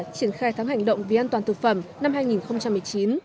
triển khai thắng hành động vì an toàn thực phẩm năm hai nghìn một mươi chín